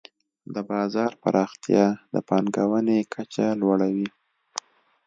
د بازار پراختیا د پانګونې کچه لوړوي.